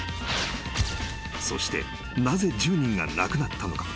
［そしてなぜ１０人が亡くなったのか？］